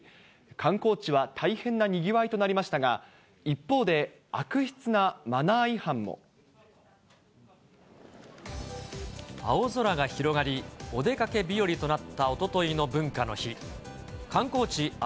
観光地は大変なにぎわいとなりましたが、一方で、悪質なマナー違青空が広がり、お出かけ日和となったおとといの文化の日。